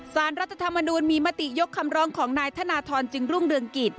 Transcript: สารรัฐธรรมนูลมีมติยกคำร้องของนายธนทรจึงรุ่งเรืองกิจ